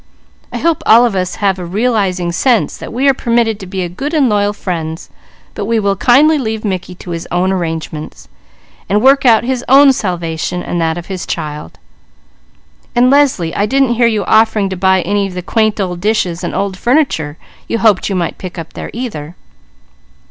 I hope all of us have a realizing sense that we are permitted to be good and loyal friends; but we will kindly leave Mickey to make his own arrangements, and work out his own salvation, and that of his child. And Leslie, I didn't hear you offering to buy any of the quaint dishes and old furniture you hoped you might pick up there, either."